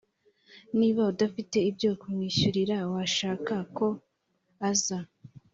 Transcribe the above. niba udafite ibyo kumwishyurira washaka ko aza